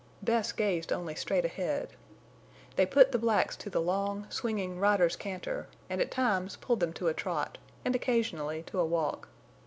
Bess gazed only straight ahead. They put the blacks to the long, swinging rider's canter, and at times pulled them to a trot, and occasionally to a walk.